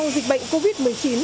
dịch bệnh covid một mươi chín